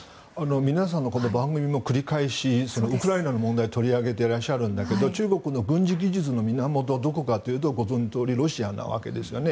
皆さんの番組も繰り返しウクライナの問題を取り上げていらっしゃるんだけど中国の軍事技術の源はどこかというとご存じのとおりロシアなわけですね。